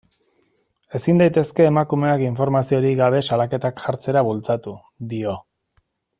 Ezin daitezke emakumeak informaziorik gabe salaketak jartzera bultzatu, dio.